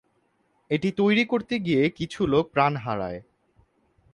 এটি তৈরি করতে গিয়ে কিছু লোক প্রাণ হারায়।